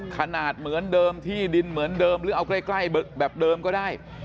ขนาดเหมือนเดิมที่ดินเหมือนเดิมหรือเอาใกล้แบบเดิมก็ได้